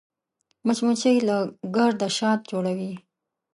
مچمچۍ له ګرده شات جوړوي